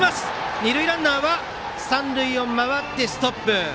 二塁ランナーは三塁でストップ。